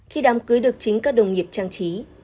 khi đám cưới được chính các đồng nghiệp trang trí